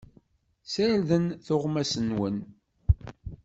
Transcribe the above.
Sirdem tuɣmas-nwen!